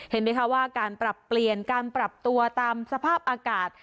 เห็นไหมคะว่าการปรับเปลี่ยนการปรับตัวตามสภาพอากาศ